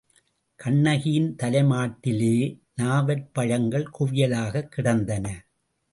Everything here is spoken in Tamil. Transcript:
கண்ணகியின் தலைமாட்டிலே நாவற் பழங்கள் குவியலாகக் கிடந்தன.